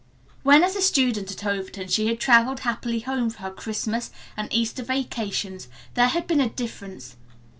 When as a student at Overton she had traveled happily home for her Christmas and Easter vacations there had been a difference.